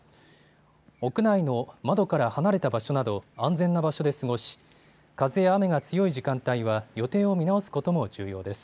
屋内の窓から離れた場所など安全な場所で過ごし、風や雨が強い時間帯は予定を見直すことも重要です。